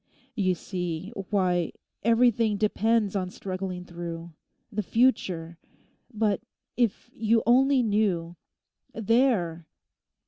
You see—why, everything depends on struggling through: the future! But if you only knew—There!